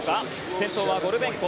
先頭はゴルベンコ。